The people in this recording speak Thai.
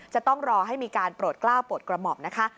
จะต้องรอให้มีการโปรดกล้าวโปรดกระหม่อมนะคะ